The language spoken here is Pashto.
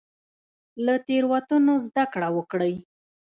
له تیروتنو زده کړه وکړئ